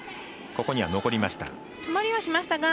ここには残りました。